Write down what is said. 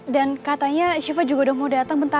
dan katanya siva juga udah mau datang bentar